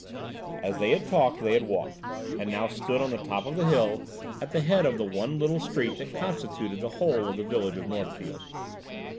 As they had talked they had walked, and now stood on the top of the hill at the head of the one little street that constituted the whole of the village of Northfield.